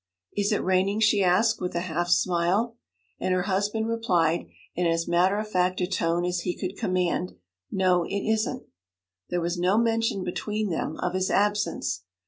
'Is it raining?' she asked, with a half smile. And her husband replied, in as matter of fact a tone as he could command, 'No, it isn't.' There was no mention between them of his absence.